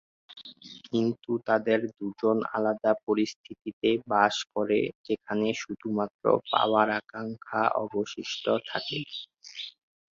কিন্তু তাদের দুজন আলাদা পরিস্থিতিতে বাস করে, যেখানে শুধুমাত্র পাওয়ার আকাঙ্ক্ষা অবশিষ্ট থাকে।